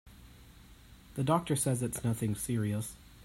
The doctor says it's nothing serious.